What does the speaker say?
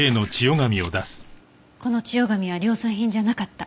この千代紙は量産品じゃなかった。